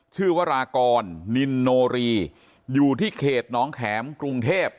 วรากรนินโนรีอยู่ที่เขตน้องแข็มกรุงเทพ